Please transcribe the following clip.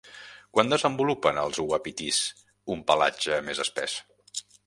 Quan desenvolupen els uapitís un pelatge més espès?